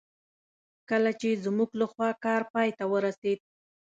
کله چې زموږ لخوا کار پای ته ورسېد.